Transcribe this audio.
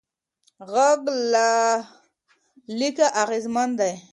غږ له لیکه اغېزمن دی.